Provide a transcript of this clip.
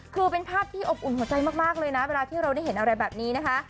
คือเป็นภาพที่อบอุ่นหัวใจมากเลยนะเวลาที่เราได้เห็นอะไรแบบนี้นะคะ